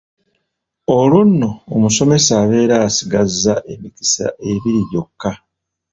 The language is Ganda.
Olwo nno omusomesa abeera asigazza emikisa ebiri gyokka.